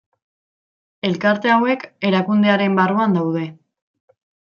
Elkarte hauek erakundearen barruan daude.